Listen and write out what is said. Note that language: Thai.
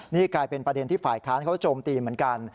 นี่กลายเป็นประเด็นที่ฝ่ายค้านเขาโจมตีเหมือนกัน